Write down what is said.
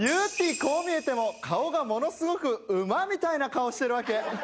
こう見えても顔がものすごく馬みたいな顔してるわけ。